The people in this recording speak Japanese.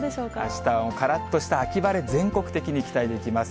あしたはからっとした秋晴れ、全国的に期待できます。